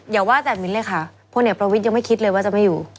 อย่าว่าแต่มิ้นเลยค่ะพลเอกประวิทย์ยังไม่คิดเลยว่าจะไม่อยู่